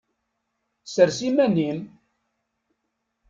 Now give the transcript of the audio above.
Sers iman-im!